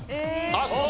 あっそう。